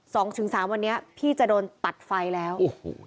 สองถึงสามวันนี้พี่จะโดนตัดไฟแล้วโอ้โห